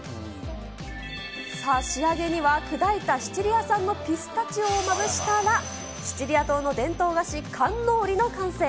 さあ、仕上げには砕いたシチリア産のピスタチオをまぶしたら、シチリア島の伝統菓子、カンノーリの完成。